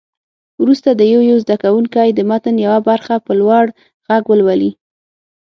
وروسته دې یو یو زده کوونکی د متن یوه برخه په لوړ غږ ولولي.